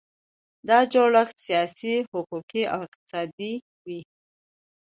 دا جوړښت سیاسي، حقوقي او اقتصادي وي.